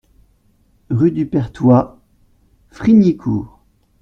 Rue du Perthois, Frignicourt